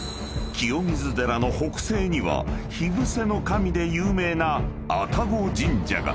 清水寺の北西には火伏の神で有名な愛宕神社が］